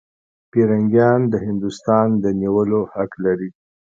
پیرنګیان د هندوستان د نیولو حق لري.